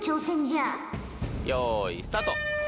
よいスタート！